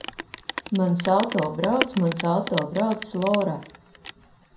Mans auto brauc. Mans auto brauc, Lora!